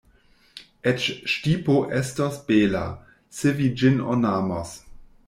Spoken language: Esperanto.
Eĉ ŝtipo estos bela, se vi ĝin ornamos.